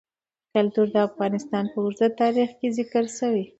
کلتور د افغانستان په اوږده تاریخ کې ذکر شوی دی.